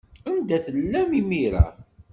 Anda tellam imir-a?